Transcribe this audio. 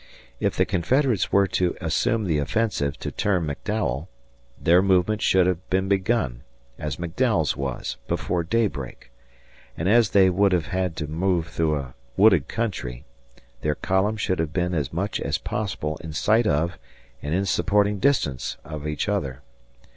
If the Confederates were to assume the offensive to turn McDowell, their movement should have been begun, as McDowell's was, before daybreak; and as they would have had to move through a wooded country, their columns should have been as much as possible in sight of and in supporting distance of each other.